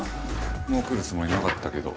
もう来るつもりなかったけど。